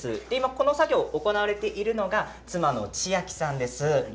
この作業を行われているのが妻のちあきさんです。